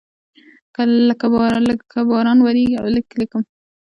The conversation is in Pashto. لکه باران وریږي او لیک لیکم یعنی د لیکلو په حال کې یم.